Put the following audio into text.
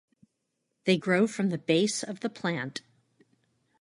They grow from the base of the plant.